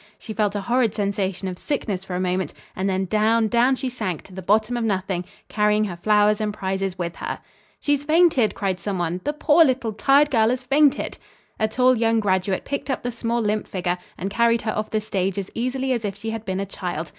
She felt a horrid sensation of sickness for a moment; and then down, down she sank to the bottom of nothing, carrying her flowers and prizes with her. "She's fainted!" cried some one. "The poor, little, tired girl has fainted!" A tall young graduate picked up the small, limp figure and carried her off the stage as easily as if she had been a child.